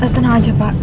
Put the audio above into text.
tenang aja pak